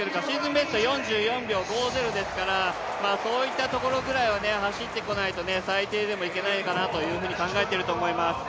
ベスト４４秒５０ですからそういったところぐらいは走ってこないと、最低でもいけないかなと考えていると思います。